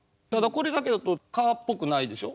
これだけだと蚊っぽくないでしょ。